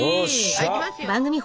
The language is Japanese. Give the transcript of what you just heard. はいいきますよ。